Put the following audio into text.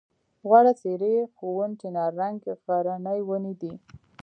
غوړه څېرۍ ښوون چناررنګی غرني ونې دي.